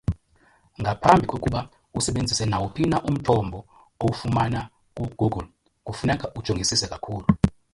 Ngaphambi kokuba usebenzise nawuphi na umthombo owufumana ku-Google, kufuneka ujongisise kakhulu.